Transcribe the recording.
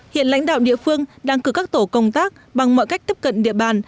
hiện lãnh đạo địa phương đang cử các tổ công tác bằng mọi cách tiếp cận địa bàn